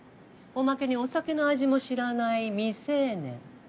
おまけにお酒の味も知らない未成年。